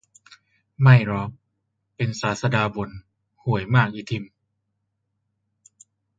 ไม่หรอก เป็นศาสดาบ่น ห่วยมากอีทิม